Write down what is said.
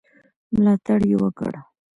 ملاتړ یې وکړ.